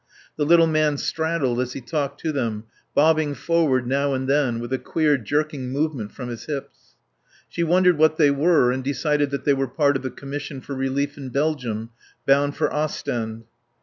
The little man straddled as he talked to them, bobbing forward now and then, with a queer jerking movement from his hips. She wondered what they were and decided that they were part of the Commission for Relief in Belgium, bound for Ostend.